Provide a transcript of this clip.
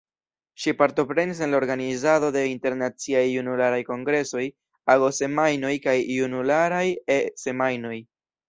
Ŝi partoprenis en la organizado de Internaciaj Junularaj Kongresoj, Ago-Semajnoj kaj Junularaj E-Semajnoj.